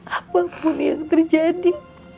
apapun yang terjadi